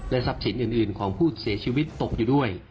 ทรัพย์สินอื่นของผู้เสียชีวิตตกอยู่ด้วย